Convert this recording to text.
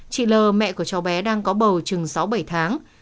chị l mẹ của cháu bé đang có bầu chừng sáu bảy tháng